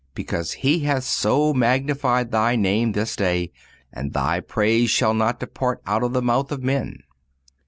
because He hath so magnified thy name this day, that thy praise shall not depart out of the mouth of men."